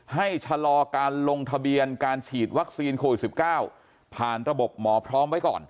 ชะลอการลงทะเบียนการฉีดวัคซีนโควิด๑๙ผ่านระบบหมอพร้อมไว้ก่อน